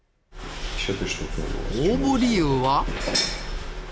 応募理由は？